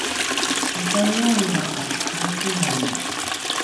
takaeaea ’a taecelrange